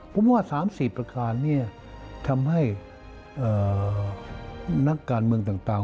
ผมว่า๓๔ประการนี้ทำให้นักการเมืองต่าง